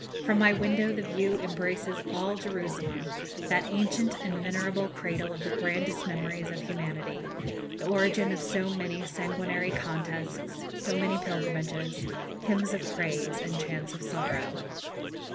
From my window the view embraces all Jerusalem, that ancient and venerable cradle of the grandest memories of humanity the origin of so many sanguinary contests, so many pilgrimages, hymns of praise, and chants of sorrow."